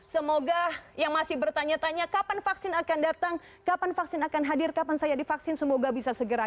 semoga yang masih bertanya tanya kapan vaksin akan datang kapan vaksin akan hadir kapan saya divaksin semoga bisa segera